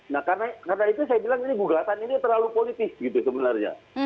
nah karena itu saya bilang ini gugatan ini terlalu politis gitu sebenarnya